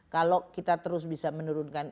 kalau kita terus bisa menurunkan